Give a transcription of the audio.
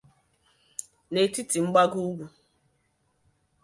n'etiti mgbago ugwu